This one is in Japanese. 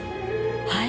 はい？